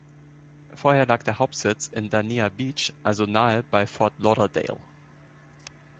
Vorher lag der Hauptsitz in Dania Beach also nahe bei Fort Lauderdale.